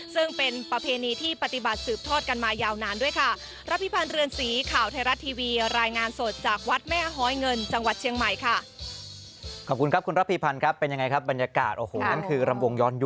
ซึ่งเป็นประเพณีที่ปฏิบัติสืบทอดกันมา